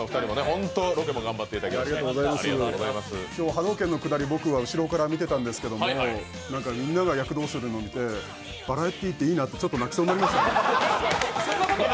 波動拳のくだり後ろから見てたんですけどなんかみんなが躍動してるの見てバラエティーっていいなってちょっと泣きそうになりました。